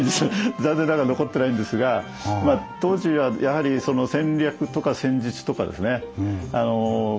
残念ながら残ってないんですが当時はやはり戦略とか戦術とかですね